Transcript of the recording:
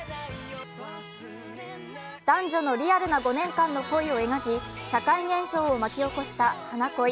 男女のリアルな５年間の恋を描き社会現象を巻き起こした「はな恋」。